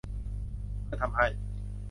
เพื่อทำให้